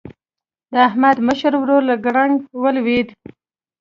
د احمد مشر ورور له ګړنګ ولوېد.